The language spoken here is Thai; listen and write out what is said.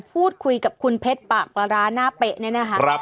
พูดคุยกับคุณเพชรปากปลาร้าหน้าเป๊ะเนี่ยนะคะ